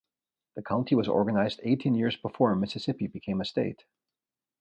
The county was organized eighteen years before Mississippi became a state.